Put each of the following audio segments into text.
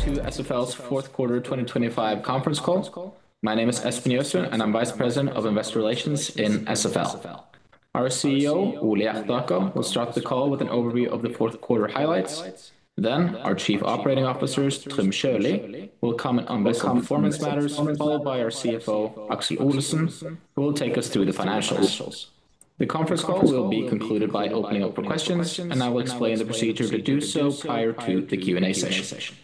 to SFL's fourth quarter 2025 conference call. My name is Espen Nilsen Gjøsund, and I'm Vice President of Investor Relations in SFL. Our CEO, Ole Hjertaker, will start the call with an overview of the fourth quarter highlights. Then our Chief Operating Officer, Trym Sjølie, will comment on business performance matters, followed by our CFO, Aksel Olesen, who will take us through the financials. The conference call will be concluded by opening up for questions, and I will explain the procedure to do so prior to the Q&A session.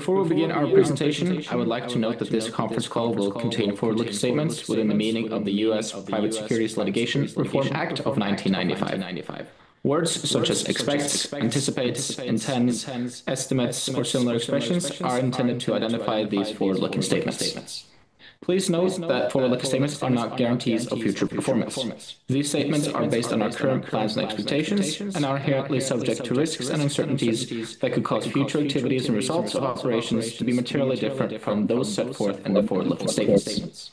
Before we begin our presentation, I would like to note that this conference call will contain forward-looking statements within the meaning of the U.S. Private Securities Litigation Reform Act of 1995. Words such as expects, anticipates, intends, estimates, or similar expressions are intended to identify these forward-looking statements. Please note that forward-looking statements are not guarantees of future performance. These statements are based on our current plans and expectations, and are inherently subject to risks and uncertainties that could cause future activities and results of operations to be materially different from those set forth in the forward-looking statements.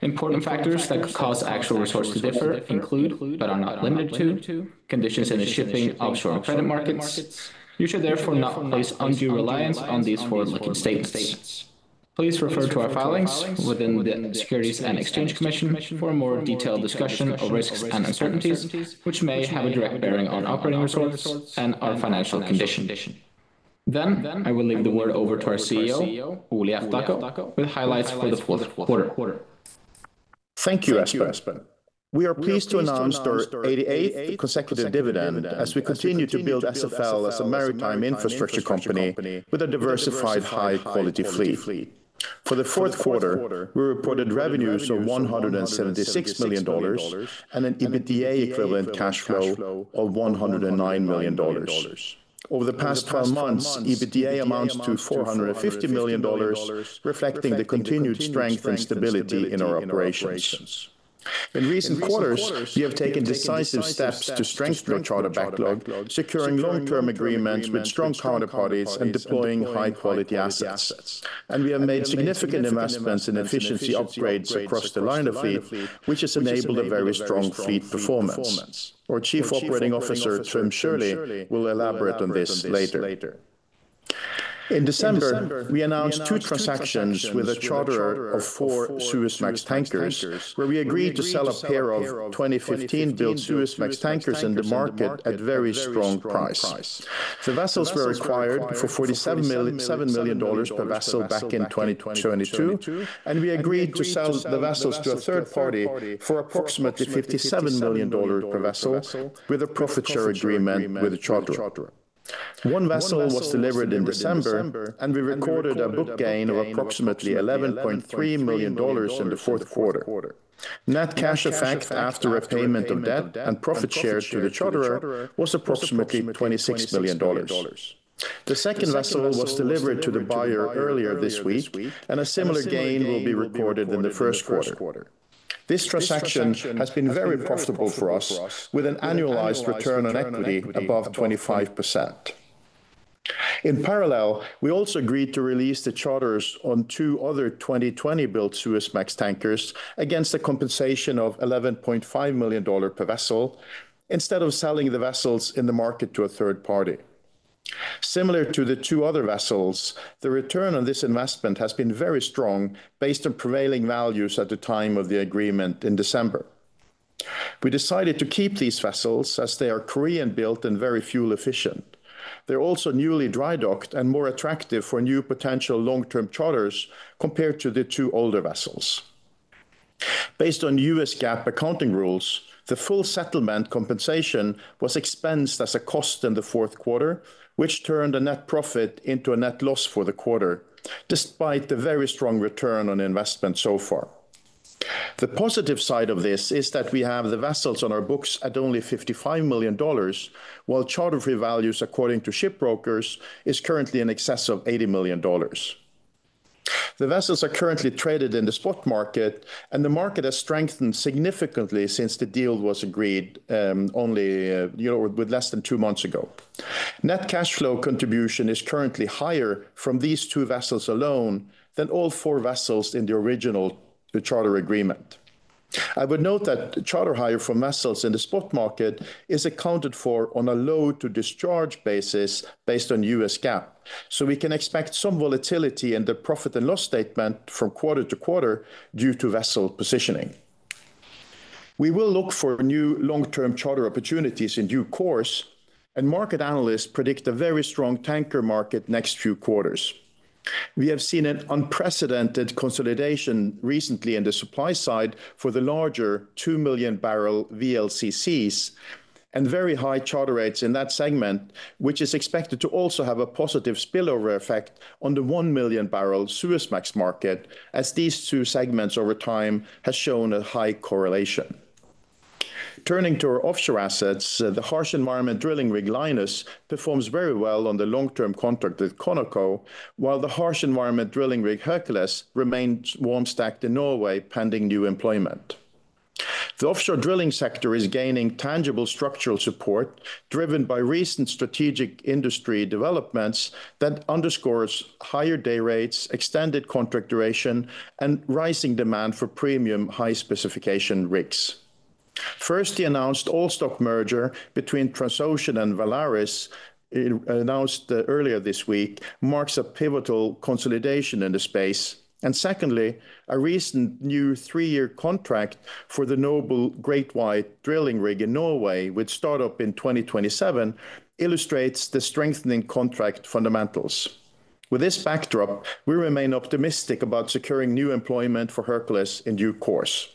Important factors that could cause actual resources to differ include, but are not limited to, conditions in the shipping, offshore, and credit markets. You should therefore not place undue reliance on these forward-looking statements. Please refer to our filings within the Securities and Exchange Commission for a more detailed discussion of risks and uncertainties, which may have a direct bearing on operating results and our financial condition. Then I will leave the word over to our CEO, Ole Hjertaker, with highlights for the fourth quarter. Thank you, Espen. We are pleased to announce our 88th consecutive dividend as we continue to build SFL as a maritime infrastructure company with a diversified, high-quality fleet. For the fourth quarter, we reported revenues of $176 million and an EBITDA-equivalent cash flow of $109 million. Over the past 12 months, EBITDA amounts to $450 million, reflecting the continued strength and stability in our operations. In recent quarters, we have taken decisive steps to strengthen our charter backlog, securing long-term agreements with strong counterparties, and deploying high-quality assets. We have made significant investments in efficiency upgrades across the liner fleet, which has enabled a very strong fleet performance. Our Chief Operating Officer, Trym Sjølie, will elaborate on this later. In December, we announced two transactions with a charterer of four Suezmax tankers, where we agreed to sell a pair of 2015-built Suezmax tankers in the market at a very strong price. The vessels were acquired for $47 million per vessel back in 2022, and we agreed to sell the vessels to a third party for approximately $57 million per vessel with a profit share agreement with the charterer. One vessel was delivered in December, and we recorded a book gain of approximately $11.3 million in the fourth quarter. Net cash effect after repayment of debt and profit share to the charterer was approximately $26 million. The second vessel was delivered to the buyer earlier this week, and a similar gain will be recorded in the first quarter. This transaction has been very profitable for us, with an annualized return on equity above 25%. In parallel, we also agreed to release the charters on two other 2020-built Suezmax tankers against a compensation of $11.5 million per vessel instead of selling the vessels in the market to a third party. Similar to the two other vessels, the return on this investment has been very strong based on prevailing values at the time of the agreement in December. We decided to keep these vessels as they are Korean-built and very fuel-efficient. They're also newly dry-docked and more attractive for new potential long-term charters compared to the two older vessels. Based on U.S. GAAP accounting rules, the full settlement compensation was expensed as a cost in the fourth quarter, which turned a net profit into a net loss for the quarter, despite the very strong return on investment so far. The positive side of this is that we have the vessels on our books at only $55 million, while charter-free values, according to ship brokers, is currently in excess of $80 million. The vessels are currently traded in the spot market, and the market has strengthened significantly since the deal was agreed with less than 2 months ago. Net cash flow contribution is currently higher from these 2 vessels alone than all 4 vessels in the original charter agreement. I would note that charter hire from vessels in the spot market is accounted for on a load-to-discharge basis based on U.S. GAAP, so we can expect some volatility in the profit and loss statement from quarter to quarter due to vessel positioning. We will look for new long-term charter opportunities in due course, and market analysts predict a very strong tanker market next few quarters. We have seen an unprecedented consolidation recently in the supply side for the larger 2 million barrel VLCCs and very high charter rates in that segment, which is expected to also have a positive spillover effect on the 1 million barrel Suezmax market, as these two segments over time have shown a high correlation. Turning to our offshore assets, the harsh environment drilling rig Linus performs very well on the long-term contract at ConocoPhillips, while the harsh environment drilling rig Hercules remains warm-stacked in Norway pending new employment. The offshore drilling sector is gaining tangible structural support driven by recent strategic industry developments that underscores higher day rates, extended contract duration, and rising demand for premium high-specification rigs. First, the announced all-stock merger between Transocean and Valaris announced earlier this week marks a pivotal consolidation in the space. And secondly, a recent new 3-year contract for the Noble Great White drilling rig in Norway, which started up in 2027, illustrates the strengthening contract fundamentals. With this backdrop, we remain optimistic about securing new employment for Hercules in due course.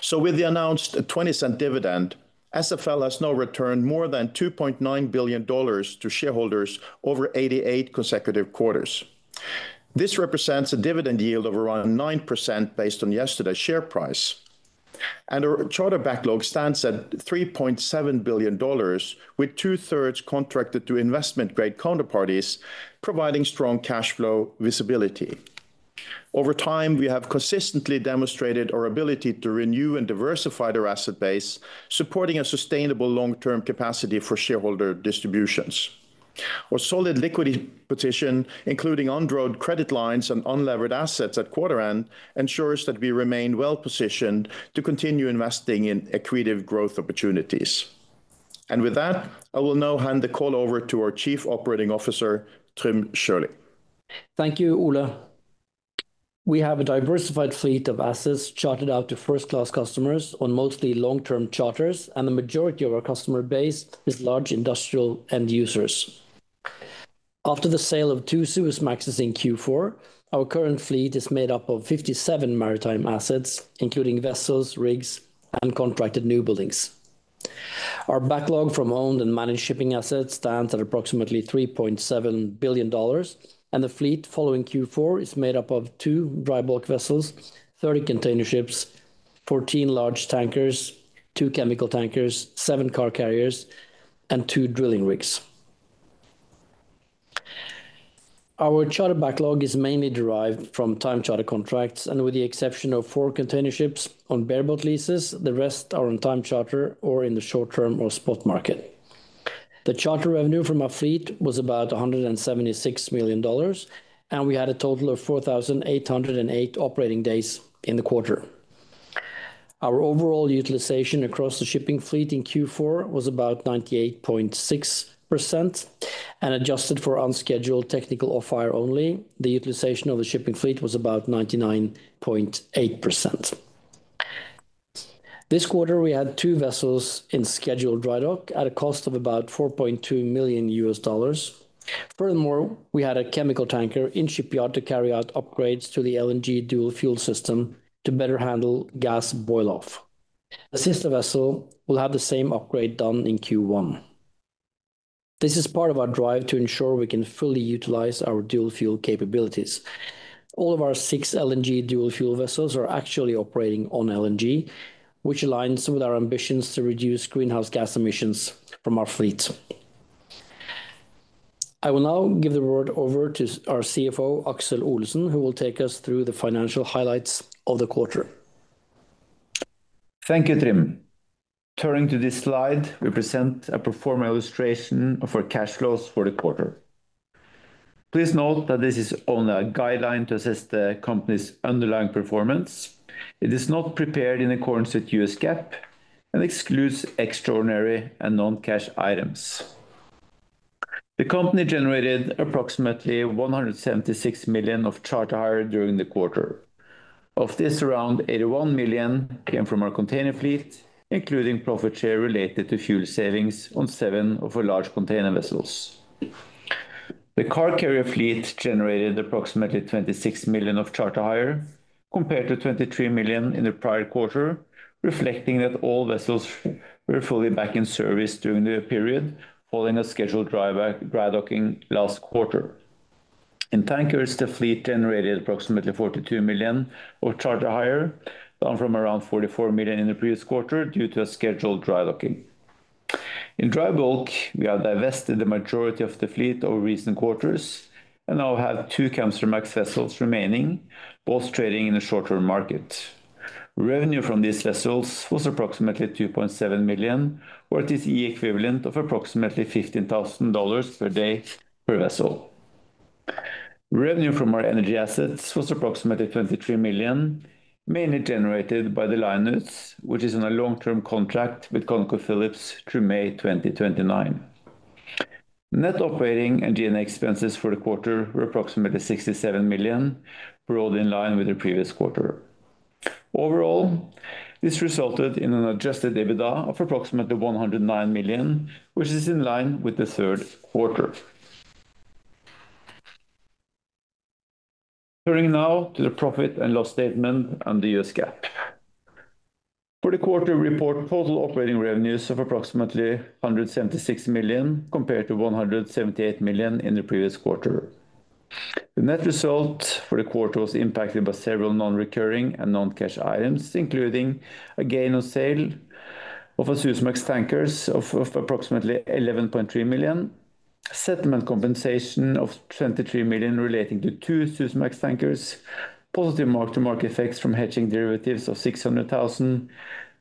So with the announced $0.20 dividend, SFL has now returned more than $2.9 billion to shareholders over 88 consecutive quarters. This represents a dividend yield of around 9% based on yesterday's share price. And our charter backlog stands at $3.7 billion, with two-thirds contracted to investment-grade counterparties, providing strong cash flow visibility. Over time, we have consistently demonstrated our ability to renew and diversify the asset base, supporting a sustainable long-term capacity for shareholder distributions. Our solid liquidity position, including undrawn credit lines and unlevered assets at quarter-end, ensures that we remain well-positioned to continue investing in attractive growth opportunities. With that, I will now hand the call over to our Chief Operating Officer, Trym Sjølie. Thank you, Ole. We have a diversified fleet of assets chartered out to first-class customers on mostly long-term charters, and the majority of our customer base is large industrial end users. After the sale of two Suezmaxes in Q4, our current fleet is made up of 57 maritime assets, including vessels, rigs, and contracted newbuildings. Our backlog from owned and managed shipping assets stands at approximately $3.7 billion, and the fleet following Q4 is made up of two dry bulk vessels, 30 container ships, 14 large tankers, two chemical tankers, seven car carriers, and two drilling rigs. Our charter backlog is mainly derived from time charter contracts, and with the exception of four container ships on bareboat leases, the rest are on time charter or in the short-term or spot market. The charter revenue from our fleet was about $176 million, and we had a total of 4,808 operating days in the quarter. Our overall utilization across the shipping fleet in Q4 was about 98.6%, and adjusted for unscheduled technical off-hire only, the utilization of the shipping fleet was about 99.8%. This quarter, we had two vessels in scheduled dry dock at a cost of about $4.2 million. Furthermore, we had a chemical tanker in shipyard to carry out upgrades to the LNG dual fuel system to better handle gas boil-off. The sister vessel will have the same upgrade done in Q1. This is part of our drive to ensure we can fully utilize our dual fuel capabilities. All of our six LNG dual fuel vessels are actually operating on LNG, which aligns with our ambitions to reduce greenhouse gas emissions from our fleet. I will now give the word over to our CFO, Aksel Olesen, who will take us through the financial highlights of the quarter. Thank you, Trym. Turning to this slide, we present a performing illustration of our cash flows for the quarter. Please note that this is only a guideline to assess the company's underlying performance. It is not prepared in accordance with U.S. GAAP and excludes extraordinary and non-cash items. The company generated approximately $176 million of charter hire during the quarter. Of this, around $81 million came from our container fleet, including profit share related to fuel savings on seven of our large container vessels. The car carrier fleet generated approximately $26 million of charter hire compared to $23 million in the prior quarter, reflecting that all vessels were fully back in service during the period following a scheduled dry docking last quarter. In tankers, the fleet generated approximately $42 million of charter hire, down from around $44 million in the previous quarter due to a scheduled dry docking. In dry bulk, we have divested the majority of the fleet over recent quarters and now have two Kamsarmax vessels remaining, both trading in the short-term market. Revenue from these vessels was approximately $2.7 million, or at least the equivalent of approximately $15,000 per day per vessel. Revenue from our energy assets was approximately $23 million, mainly generated by the Linus, which is on a long-term contract with ConocoPhillips through May 2029. Net operating and G&A expenses for the quarter were approximately $67 million, broadly in line with the previous quarter. Overall, this resulted in an adjusted EBITDA of approximately $109 million, which is in line with the third quarter. Turning now to the profit and loss statement and the U.S. GAAP. For the quarter, we report total operating revenues of approximately $176 million compared to $178 million in the previous quarter. The net result for the quarter was impacted by several non-recurring and non-cash items, including a gain on sale of a Suezmax tanker of approximately $11.3 million, settlement compensation of $23 million relating to two Suezmax tankers, positive mark-to-market effects from hedging derivatives of $600,000,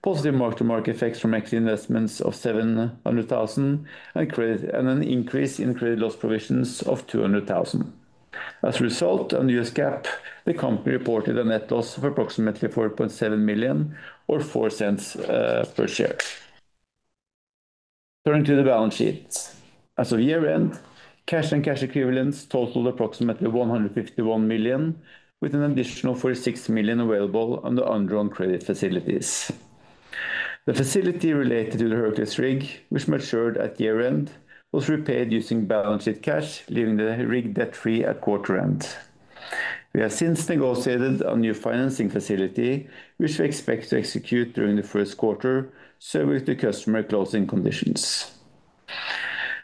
positive mark-to-market effects from equity investments of $700,000, and an increase in credit loss provisions of $200,000. As a result, on U.S. GAAP, the company reported a net loss of approximately $4.7 million or $0.04 per share. Turning to the balance sheet. As of year-end, cash and cash equivalents totaled approximately $151 million, with an additional $46 million available on the underwritten credit facilities. The facility related to the Hercules rig, which matured at year-end, was repaid using balance sheet cash, leaving the rig debt-free at quarter-end. We have since negotiated a new financing facility, which we expect to execute during the first quarter, subject to customary closing conditions.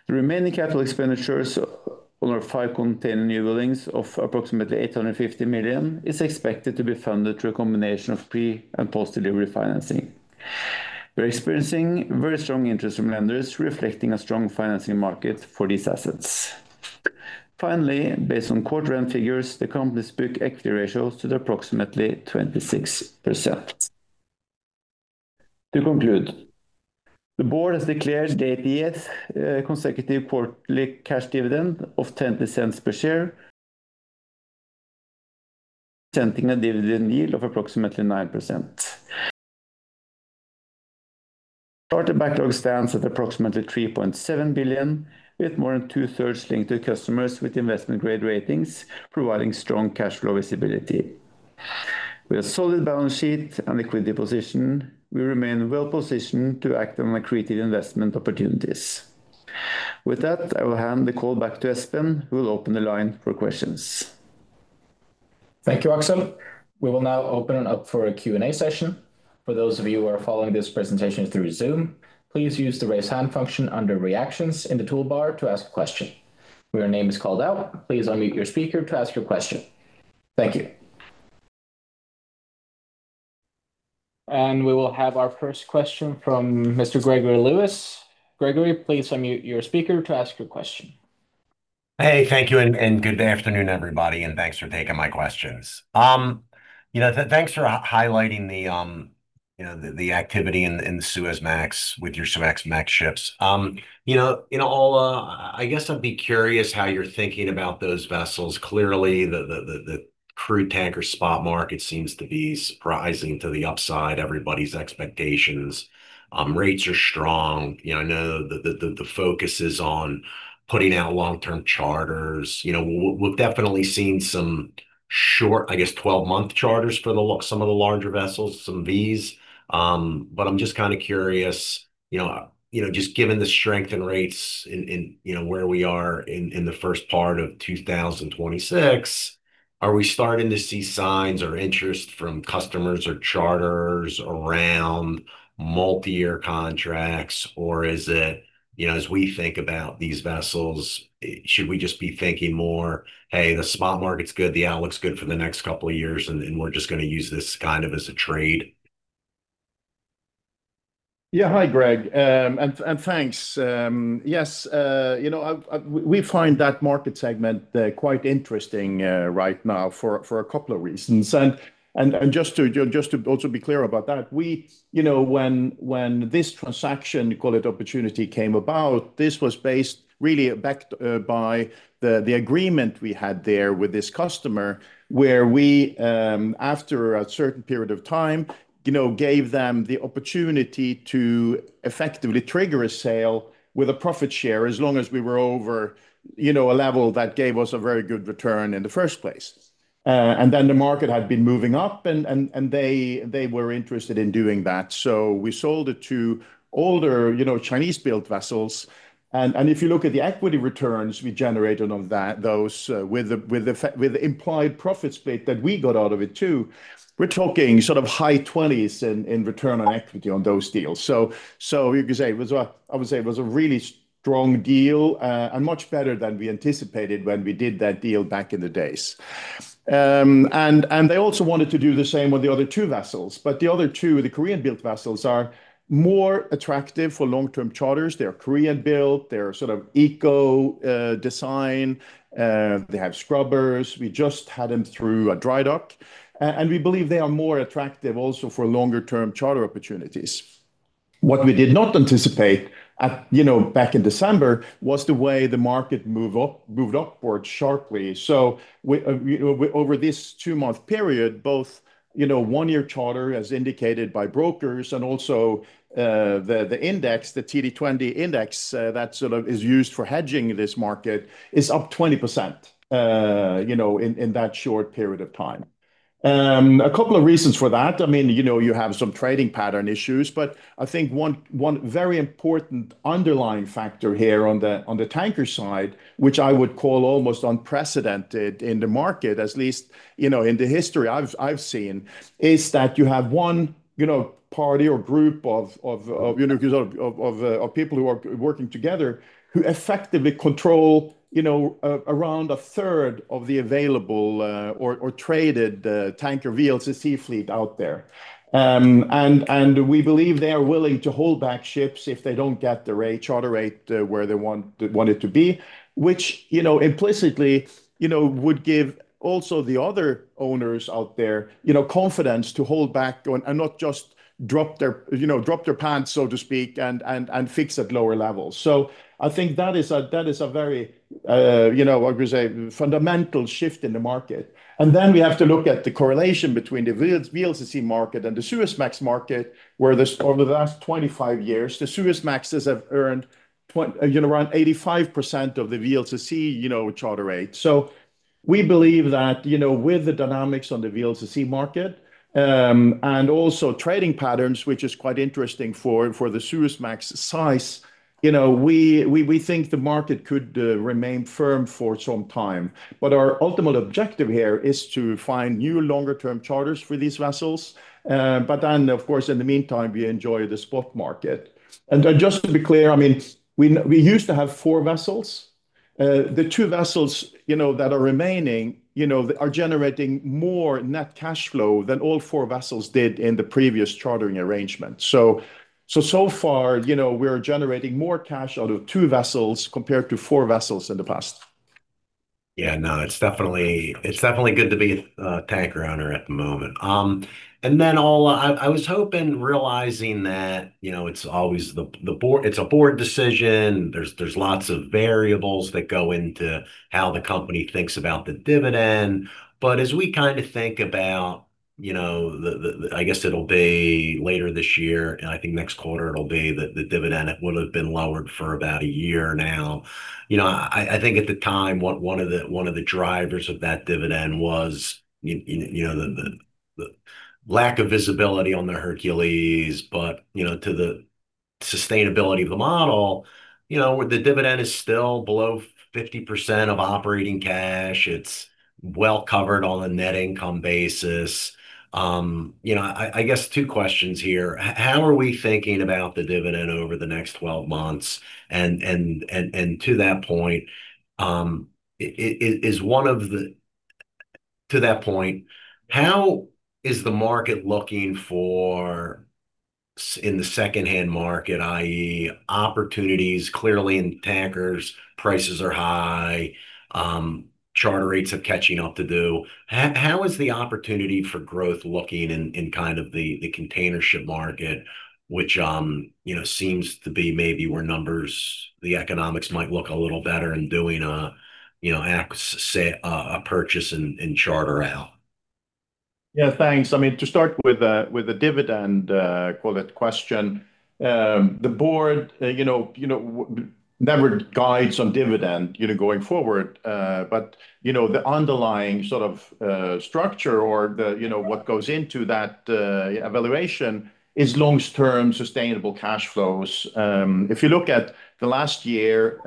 The remaining capital expenditures on our five container new buildings of approximately $850 million are expected to be funded through a combination of pre- and post-delivery financing. We're experiencing very strong interest from lenders, reflecting a strong financing market for these assets. Finally, based on quarter-end figures, the company's book equity ratios are at approximately 26%. To conclude, the board has declared the 80th consecutive quarterly cash dividend of $0.20 per share, presenting a dividend yield of approximately 9%. Charter backlog stands at approximately $3.7 billion, with more than two-thirds linked to customers with investment-grade ratings, providing strong cash flow visibility. With a solid balance sheet and liquidity position, we remain well-positioned to act on attractive investment opportunities. With that, I will hand the call back to Espen, who will open the line for questions. Thank you, Aksel. We will now open it up for a Q&A session. For those of you who are following this presentation through Zoom, please use the raise hand function under Reactions in the toolbar to ask a question. When your name is called out, please unmute your speaker to ask your question. Thank you. We will have our first question from Mr. Gregory Lewis. Gregory, please unmute your speaker to ask your question. Hey, thank you, and good afternoon, everybody, and thanks for taking my questions. Thanks for highlighting the activity in the Suezmax with your Suezmax ships. In all, I guess I'd be curious how you're thinking about those vessels. Clearly, the crude tanker spot market seems to be surprising to the upside, everybody's expectations. Rates are strong. I know the focus is on putting out long-term charters. We've definitely seen some short, I guess, 12-month charters for some of the larger vessels, some VLCCs. But I'm just kind of curious, just given the strength and rates and where we are in the first part of 2026, are we starting to see signs or interest from customers or charters around multi-year contracts, or is it, as we think about these vessels, should we just be thinking more, "Hey, the spot market's good, the outlook's good for the next couple of years, and we're just going to use this kind of as a trade"? Yeah, hi, Greg. And thanks. Yes, we find that market segment quite interesting right now for a couple of reasons. And just to also be clear about that, when this transaction, you call it opportunity, came about, this was based really backed by the agreement we had there with this customer, where we, after a certain period of time, gave them the opportunity to effectively trigger a sale with a profit share as long as we were over a level that gave us a very good return in the first place. And then the market had been moving up, and they were interested in doing that. So we sold two older Chinese-built vessels. If you look at the equity returns we generated on those with the implied profit split that we got out of it too, we're talking sort of high 20s in return on equity on those deals. So you could say it was, I would say, it was a really strong deal and much better than we anticipated when we did that deal back in the days. They also wanted to do the same with the other two vessels. But the other two, the Korean-built vessels, are more attractive for long-term charters. They're Korean-built. They're sort of eco-design. They have scrubbers. We just had them through a dry dock. And we believe they are more attractive also for longer-term charter opportunities. What we did not anticipate back in December was the way the market moved upward sharply. So over this 2-month period, both 1-year charter, as indicated by brokers, and also the index, the TD20 index that sort of is used for hedging this market, is up 20% in that short period of time. A couple of reasons for that. I mean, you have some trading pattern issues, but I think one very important underlying factor here on the tanker side, which I would call almost unprecedented in the market, at least in the history I've seen, is that you have one party or group of people who are working together who effectively control around a third of the available or traded tanker VLCC fleet out there. We believe they are willing to hold back ships if they don't get the charter rate where they want it to be, which implicitly would give also the other owners out there confidence to hold back and not just drop their pants, so to speak, and fix at lower levels. So I think that is a very, I would say, fundamental shift in the market. Then we have to look at the correlation between the VLCC market and the Suezmax market, where over the last 25 years, the Suezmaxes have earned around 85% of the VLCC charter rate. So we believe that with the dynamics on the VLCC market and also trading patterns, which is quite interesting for the Suezmax size, we think the market could remain firm for some time. Our ultimate objective here is to find new longer-term charters for these vessels. But then, of course, in the meantime, we enjoy the spot market. And just to be clear, I mean, we used to have four vessels. The two vessels that are remaining are generating more net cash flow than all four vessels did in the previous chartering arrangement. So far, we're generating more cash out of two vessels compared to four vessels in the past. Yeah, no, it's definitely good to be a tanker owner at the moment. And then all I was hoping, realizing that it's always the board, it's a board decision. There's lots of variables that go into how the company thinks about the dividend. But as we kind of think about, I guess it'll be later this year, and I think next quarter it'll be that the dividend would have been lowered for about a year now. I think at the time, one of the drivers of that dividend was the lack of visibility on the Hercules. But to the sustainability of the model, the dividend is still below 50% of operating cash. It's well covered on a net income basis. I guess two questions here. How are we thinking about the dividend over the next 12 months? To that point, how is the market looking in the secondhand market, i.e., opportunities clearly in tankers, prices are high, charter rates are catching up too? How is the opportunity for growth looking in kind of the container ship market, which seems to be maybe where numbers, the economics might look a little better in doing a purchase and charter out? Yeah, thanks. I mean, to start with the dividend, call it a question. The board never guides on dividend going forward. But the underlying sort of structure or what goes into that evaluation is long-term sustainable cash flows. If you look at the last year,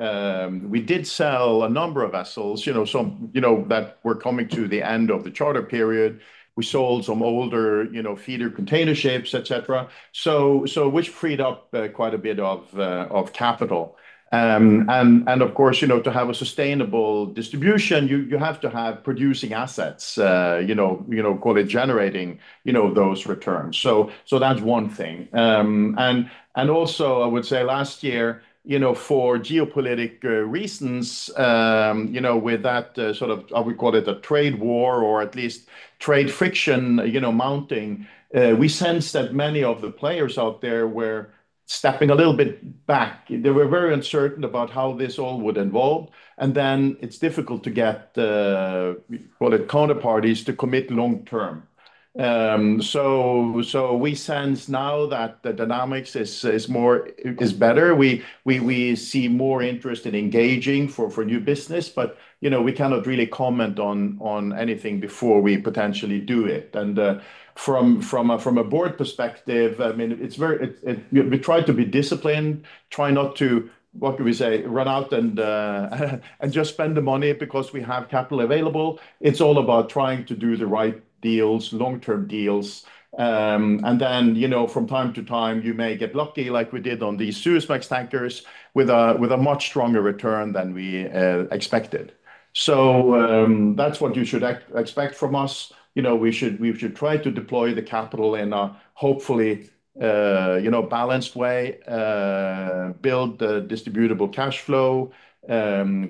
we did sell a number of vessels that were coming to the end of the charter period. We sold some older feeder container ships, etc. So which freed up quite a bit of capital. And of course, to have a sustainable distribution, you have to have producing assets, call it generating those returns. So that's one thing. And also, I would say last year, for geopolitical reasons, with that sort of, I would call it a trade war or at least trade friction mounting, we sensed that many of the players out there were stepping a little bit back. They were very uncertain about how this all would evolve. Then it's difficult to get, call it, counterparties to commit long-term. We sense now that the dynamics is better. We see more interest in engaging for new business, but we cannot really comment on anything before we potentially do it. From a board perspective, I mean, we try to be disciplined, try not to, what can we say, run out and just spend the money because we have capital available. It's all about trying to do the right deals, long-term deals. From time to time, you may get lucky like we did on these Suezmax tankers with a much stronger return than we expected. That's what you should expect from us. We should try to deploy the capital in a hopefully balanced way, build the distributable cash flow.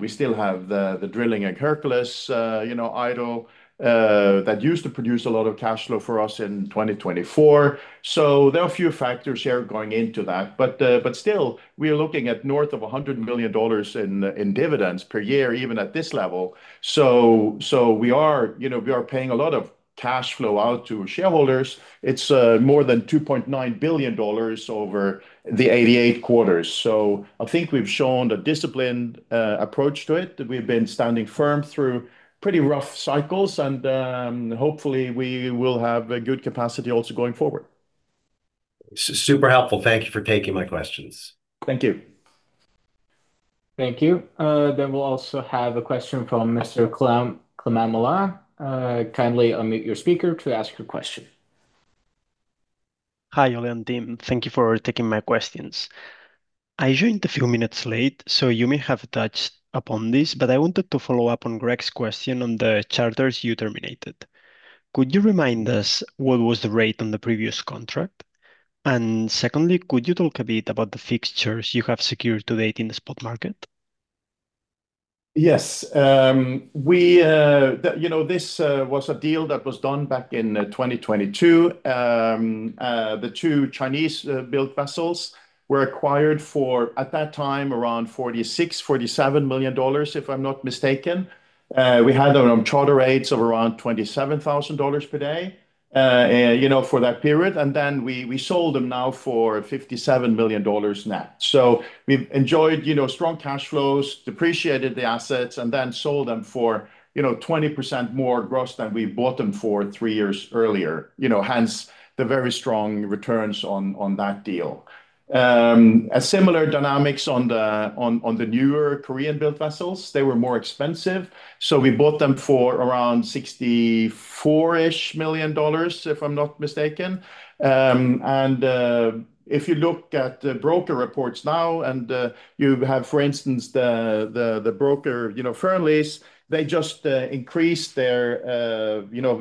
We still have the drilling rig Hercules idle that used to produce a lot of cash flow for us in 2024. So there are a few factors here going into that. But still, we are looking at north of $100 million in dividends per year, even at this level. So we are paying a lot of cash flow out to shareholders. It's more than $2.9 billion over the 88 quarters. So I think we've shown a disciplined approach to it. We've been standing firm through pretty rough cycles, and hopefully, we will have good capacity also going forward. Super helpful. Thank you for taking my questions. Thank you. Thank you. Then we'll also have a question from Mr. Climent Molins. Kindly unmute your speaker to ask your question. Hi, Ole. Thank you for taking my questions. I joined a few minutes late, so you may have touched upon this, but I wanted to follow up on Greg's question on the charters you terminated. Could you remind us what was the rate on the previous contract? And secondly, could you talk a bit about the fixtures you have secured to date in the spot market? Yes. This was a deal that was done back in 2022. The two Chinese-built vessels were acquired for, at that time, around $46-$47 million, if I'm not mistaken. We had them on charter rates of around $27,000 per day for that period. And then we sold them now for $57 million net. So we've enjoyed strong cash flows, depreciated the assets, and then sold them for 20% more gross than we bought them for three years earlier, hence the very strong returns on that deal. A similar dynamics on the newer Korean-built vessels. They were more expensive. So we bought them for around $64-ish million, if I'm not mistaken. And if you look at the broker reports now, and you have, for instance, the broker Fearnleys, they just increased their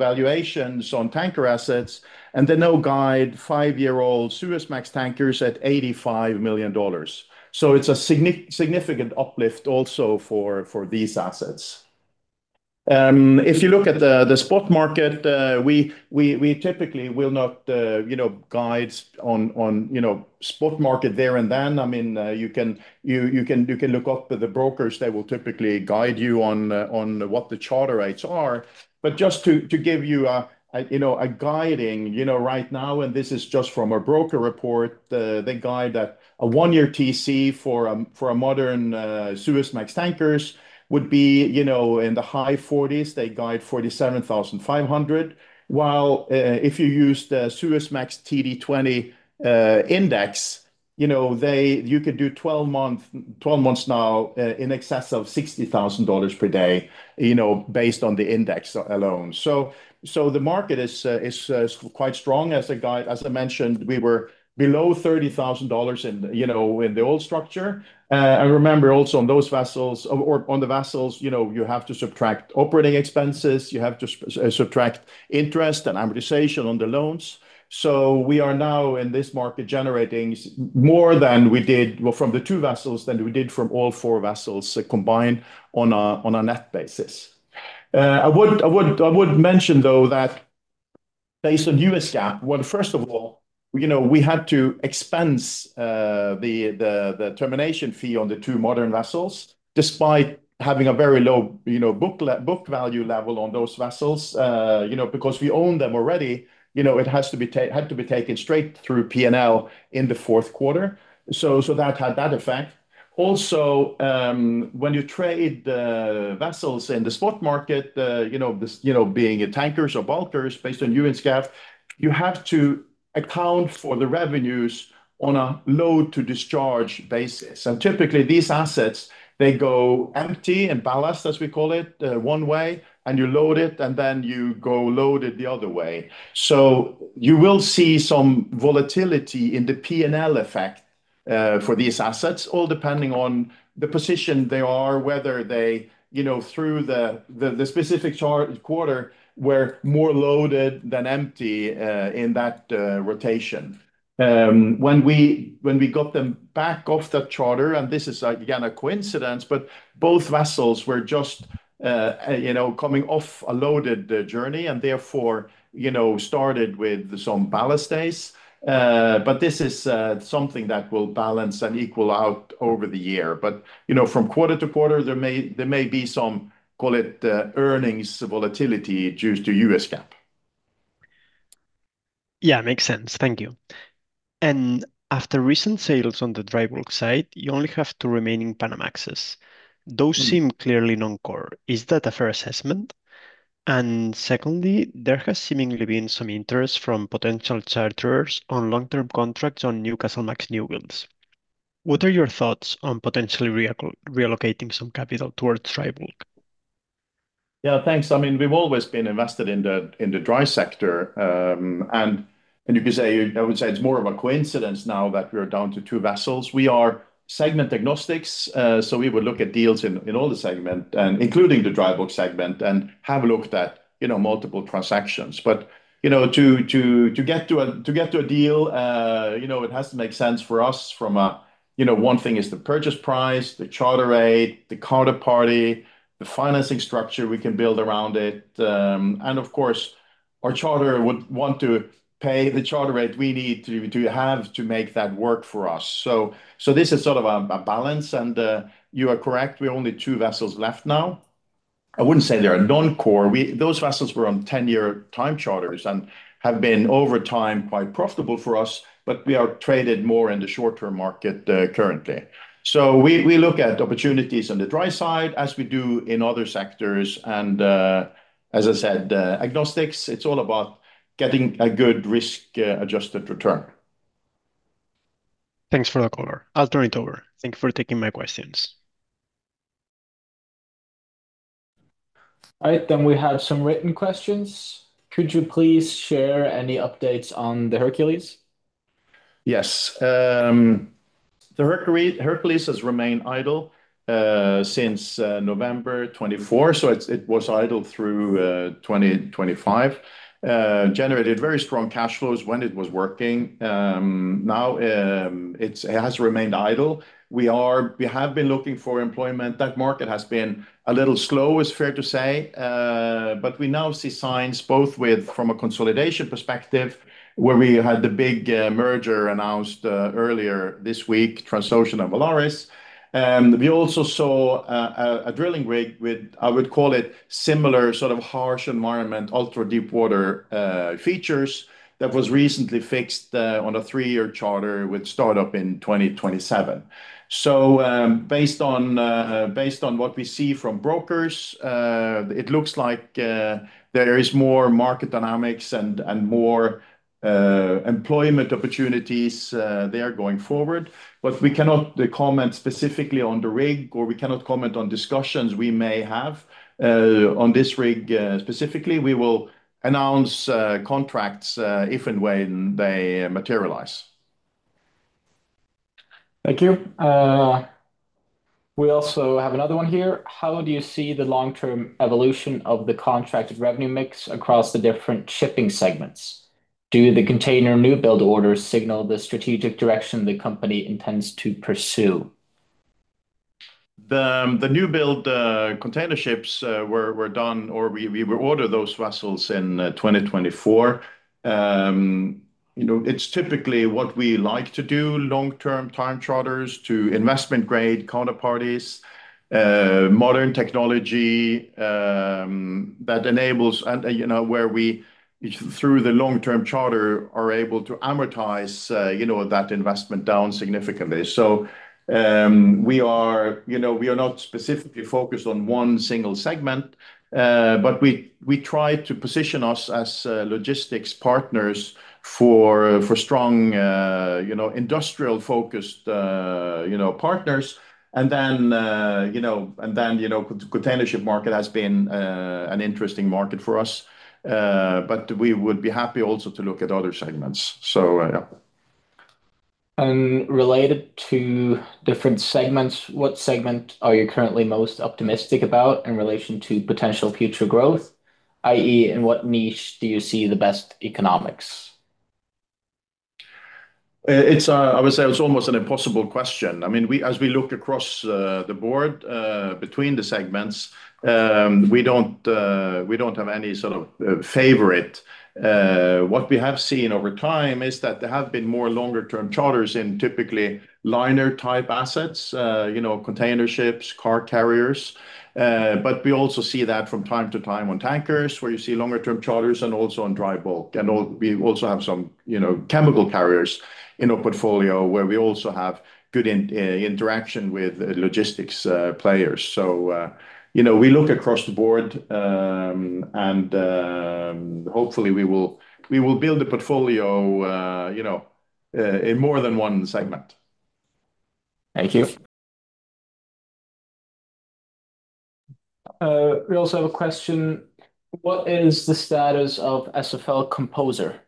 valuations on tanker assets, and they now guide five-year-old Suezmax tankers at $85 million. So it's a significant uplift also for these assets. If you look at the spot market, we typically will not guide on spot market there and then. I mean, you can look up at the brokers. They will typically guide you on what the charter rates are. But just to give you a guiding right now, and this is just from a broker report, they guide that a 1-year TC for a modern Suezmax tanker would be in the high 40s. They guide $47,500. While if you use the Suezmax TD20 index, you could do 12 months now in excess of $60,000 per day based on the index alone. So the market is quite strong as a guide. As I mentioned, we were below $30,000 in the old structure. And remember, also on those vessels or on the vessels, you have to subtract operating expenses. You have to subtract interest and amortization on the loans. So we are now in this market generating more than we did from the two vessels than we did from all four vessels combined on a net basis. I would mention, though, that based on U.S. GAAP, well, first of all, we had to expense the termination fee on the two modern vessels despite having a very low book value level on those vessels. Because we own them already, it had to be taken straight through P&L in the fourth quarter. So that had that effect. Also, when you trade vessels in the spot market, being tankers or bulkers based on U.S. GAAP, you have to account for the revenues on a load-to-discharge basis. And typically, these assets, they go empty and ballast, as we call it, one way, and you load it, and then you go load it the other way. So you will see some volatility in the P&L effect for these assets, all depending on the position they are, whether they through the specific charter quarter were more loaded than empty in that rotation. When we got them back off that charter, and this is again a coincidence, but both vessels were just coming off a loaded journey and therefore started with some ballast days. But this is something that will balance and equal out over the year. But from quarter to quarter, there may be some, call it, earnings volatility due to U.S. GAAP. Yeah, makes sense. Thank you. After recent sales on the dry bulk side, you only have the remaining Panamaxes. Those seem clearly non-core. Is that a fair assessment? Secondly, there has seemingly been some interest from potential charters on long-term contracts on new Newcastlemax new builds. What are your thoughts on potentially relocating some capital towards dry bulk? Yeah, thanks. I mean, we've always been invested in the dry sector. And you could say, I would say it's more of a coincidence now that we are down to two vessels. We are segment agnostics. So we would look at deals in all the segment, including the dry bulk segment, and have a look at multiple transactions. But to get to a deal, it has to make sense for us from a one thing is the purchase price, the charter rate, the counterparty, the financing structure we can build around it. And of course, our charter would want to pay the charter rate we need to have to make that work for us. So this is sort of a balance. And you are correct. We only have two vessels left now. I wouldn't say they are non-core. Those vessels were on 10-year time charters and have been over time quite profitable for us, but we are traded more in the short-term market currently. So we look at opportunities on the dry side as we do in other sectors. And as I said, asset agnostic, it's all about getting a good risk-adjusted return. Thanks for the caller. I'll turn it over. Thank you for taking my questions. All right. Then we have some written questions. Could you please share any updates on the Hercules? Yes. The Hercules has remained idle since November 2024. So it was idle through 2025. Generated very strong cash flows when it was working. Now it has remained idle. We have been looking for employment. That market has been a little slow, is fair to say. But we now see signs both from a consolidation perspective, where we had the big merger announced earlier this week, Transocean and Valaris. We also saw a drilling rig with, I would call it, similar sort of harsh environment, ultra-deep water features that was recently fixed on a three-year charter with startup in 2027. So based on what we see from brokers, it looks like there is more market dynamics and more employment opportunities there going forward. But we cannot comment specifically on the rig, or we cannot comment on discussions we may have on this rig specifically. We will announce contracts if and when they materialize. Thank you. We also have another one here. How do you see the long-term evolution of the contracted revenue mix across the different shipping segments? Do the container new build orders signal the strategic direction the company intends to pursue? The new build container ships were done, or we ordered those vessels in 2024. It's typically what we like to do, long-term time charters, to investment-grade counterparties, modern technology that enables where we, through the long-term charter, are able to amortize that investment down significantly. So we are not specifically focused on one single segment, but we try to position us as logistics partners for strong industrial-focused partners. And then the container ship market has been an interesting market for us. But we would be happy also to look at other segments. So yeah. Related to different segments, what segment are you currently most optimistic about in relation to potential future growth, i.e., in what niche do you see the best economics? I would say it's almost an impossible question. I mean, as we look across the board between the segments, we don't have any sort of favorite. What we have seen over time is that there have been more longer-term charters in typically liner-type assets, container ships, car carriers. But we also see that from time to time on tankers, where you see longer-term charters and also on dry bulk. And we also have some chemical carriers in our portfolio where we also have good interaction with logistics players. So we look across the board, and hopefully, we will build a portfolio in more than one segment. Thank you. We also have a question. What is the status of SFL Composer?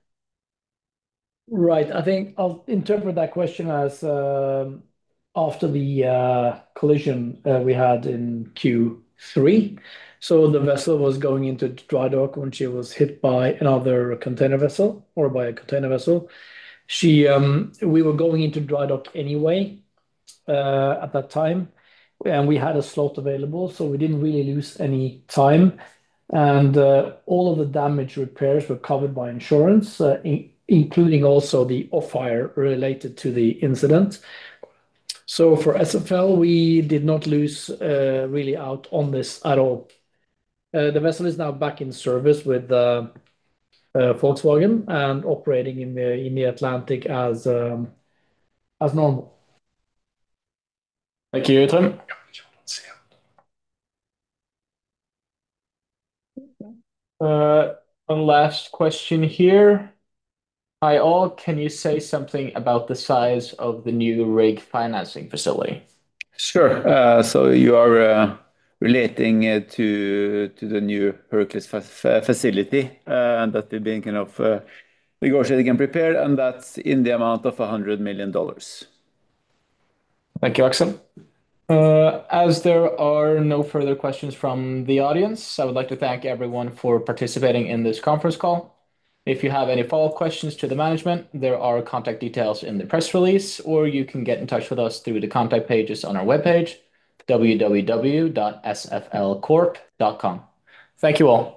Right. I think I'll interpret that question as after the collision we had in Q3. So the vessel was going into dry dock when she was hit by another container vessel or by a container vessel. We were going into dry dock anyway at that time, and we had a slot available, so we didn't really lose any time. And all of the damage repairs were covered by insurance, including also the off-hire related to the incident. So for SFL, we did not lose really out on this at all. The vessel is now back in service with Volkswagen and operating in the Atlantic as normal. Thank you, Yotam. One last question here. Hi all. Can you say something about the size of the new rig financing facility? Sure. So you are relating it to the new Hercules facility that we've been kind of negotiating and prepared, and that's in the amount of $100 million. Thank you, Aksel. As there are no further questions from the audience, I would like to thank everyone for participating in this conference call. If you have any follow-up questions to the management, there are contact details in the press release, or you can get in touch with us through the contact pages on our webpage, www.sflcorp.com. Thank you all.